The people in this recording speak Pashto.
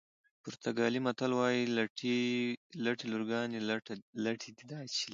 پرتګالي متل وایي لټې لورګانې لټه دي.